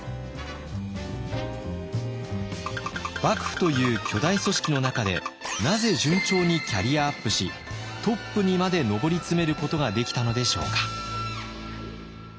幕府という巨大組織の中でなぜ順調にキャリアアップしトップにまで上り詰めることができたのでしょうか。